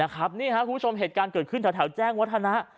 คุณผู้ชมเหตุการณ์เกิดขึ้นแถวแจ้งวัฒนะ